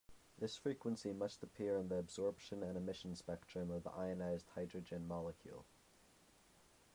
This frequency must appear in the absorption and emission spectrum of ionized hydrogen molecule.